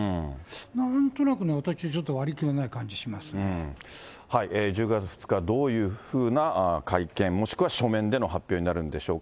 なんとなくね、私、割り切れない１０月２日、どういうふうな会見、もしくは書面での発表になるんでしょうか。